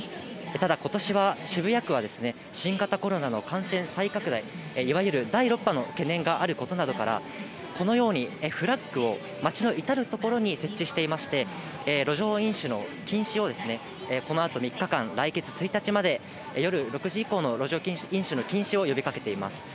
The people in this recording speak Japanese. ただ、ことしは渋谷区はですね、新型コロナの感染再拡大、いわゆる第６波の懸念があることなどから、このようにフラッグを、街の至る所に設置していまして、路上飲酒の禁止をこのあと３日間、来月１日まで夜６時以降の路上飲酒の禁止を呼びかけています。